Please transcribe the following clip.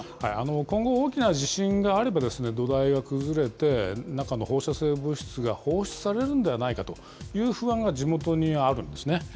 今後、大きな地震があれば、土台が崩れて、中の放射性物質が放出されるんではないかという不安が地元にあるんですね。